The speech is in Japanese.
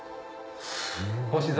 すごい。